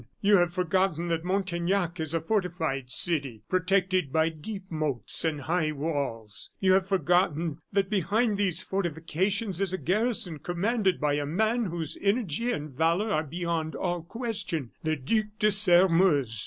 You have forgotten that Montaignac is a fortified city, protected by deep moats and high walls! You have forgotten that behind these fortifications is a garrison commanded by a man whose energy and valor are beyond all question the Duc de Sairmeuse."